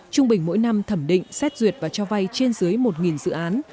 trung bình mỗi năm thẩm định xét duyệt và cho vay trên dưới một dự án